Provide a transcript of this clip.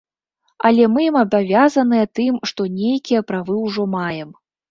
Але мы ім абавязаныя тым, што нейкія правы ўжо маем.